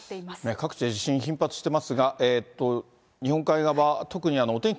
各地で地震、頻発していますが、日本海側、特にお天気